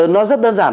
nó rất đơn giản